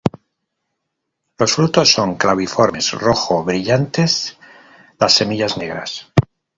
Los frutos son claviformes rojo brillantes, las semillas negras.